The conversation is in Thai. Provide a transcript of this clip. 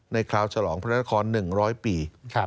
ในคราวฉลองพระนักฮ่อน๑๐๐ปี